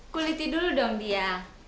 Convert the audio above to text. kuliti dulu dong dia